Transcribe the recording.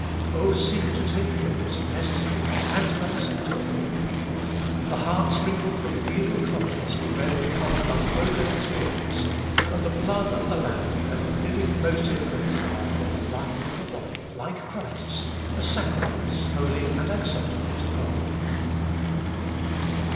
Oh, seek to take in this blessed truth, and to accept it fully. The heart sprinkled from the evil conscience will then become an unbroken experience, and the blood of the Lamb the ever living motive and power for a life in the body, like Christ's, a sacrifice holy and acceptable to God.